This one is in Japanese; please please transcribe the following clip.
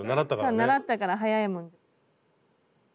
そう習ったから早いもん。